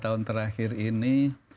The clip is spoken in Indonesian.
tahun terakhir ini